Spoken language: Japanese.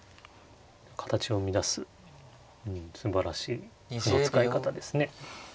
形を乱すうんすばらしい歩の使い方ですね。